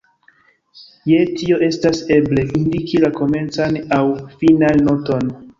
Je tio estas eble, indiki la komencan aŭ finan noton.